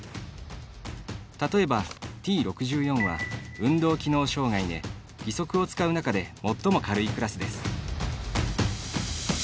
例えばＴ６４は運動機能障がいで義足を使う中で最も軽いクラスです。